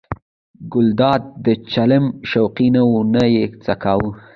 ګلداد د چلم شوقي نه و نه یې څکاوه.